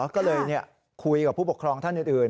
ก็เลยคุยกับผู้ปกครองท่านอื่น